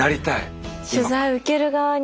取材受ける側に。